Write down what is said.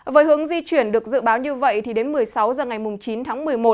với hướng di chuyển được dự báo như vậy thì đến một mươi sáu h ngày chín tháng một mươi một